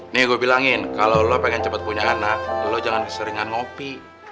nih gua bilangin kalau lu pengen cepet punya anak lu jangan keseringan ngopi